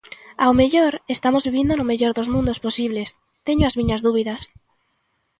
Ao mellor, estamos vivindo no mellor dos mundos posibles; teño as miñas dúbidas.